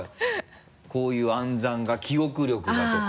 こういう暗算が記憶力がとか。